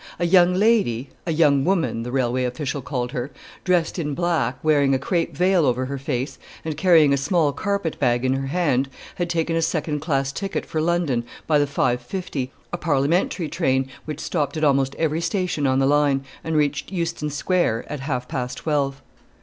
A young lady a young woman, the railway official called her dressed in black, wearing a crape veil over her face, and carrying a small carpet bag in her hand, had taken a second class ticket for London, by the 5.50., a parliamentary train, which stopped at almost every station on the line, and reached Euston Square at half past twelve.